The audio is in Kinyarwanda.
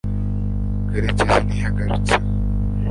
karekezi ntiyagarutse